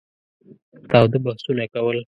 تاوده بحثونه کول.